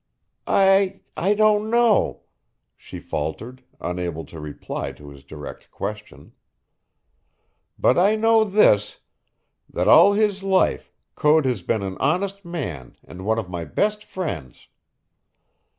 "I I don't know," she faltered, unable to reply to his direct question. "But I know this, that all his life Code has been an honest man and one of my best friends.